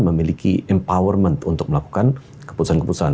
memiliki empowerment untuk melakukan keputusan keputusan